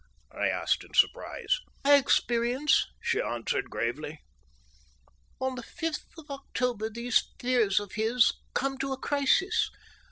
I asked in surprise. "By experience," she answered gravely. "On the fifth of October these fears of his come to a crisis.